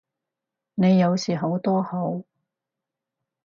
你有時好多口